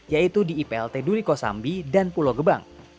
yaitu di iplt duri kosambi dan pulau gebang